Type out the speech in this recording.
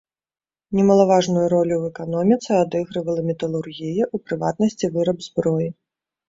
Немалаважную ролю ў эканоміцы адыгрывала металургія, у прыватнасці выраб зброі.